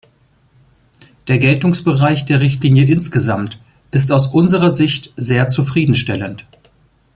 Der Geltungsbereich der Richtlinie insgesamt ist aus unserer Sicht sehr zufrieden stellend.